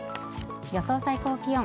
予想最高気温。